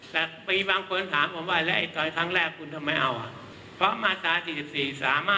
ถ้าจะเป็นปัญหาคือผมเนี่ย